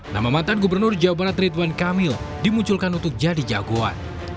nama mantan gubernur jawa barat ridwan kamil dimunculkan untuk jadi jagoan